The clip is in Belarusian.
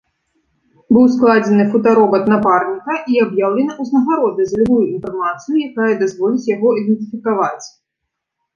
Быў складзены фотаробат нападніка і аб'яўлена ўзнагарода за любую інфармацыю, якая дазволіць яго ідэнтыфікаваць.